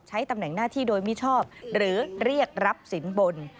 ตำแหน่งหน้าที่โดยมิชอบหรือเรียกรับสินบน